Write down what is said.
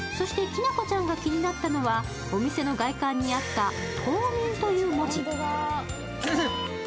そして、きなこちゃんが気になったのはお店の外観にあった「凍眠」という文字。